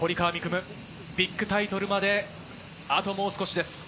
夢、ビッグタイトルまであともう少しです。